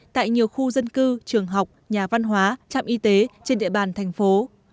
tại nhiều khu dân cư trường học nhà văn hóa trạm y tế trên địa bàn thành phố